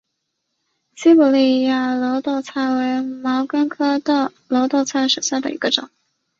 西伯利亚耧斗菜为毛茛科耧斗菜属下的一个种。